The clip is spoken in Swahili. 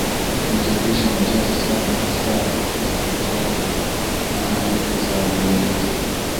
Machapisho machache sana hasa ya Profesa Katoke na hadithi za wapelelezi